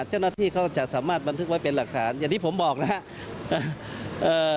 เจ้าหน้าที่เขาจะสามารถบันทึกไว้เป็นหลักฐานอย่างที่ผมบอกนะครับ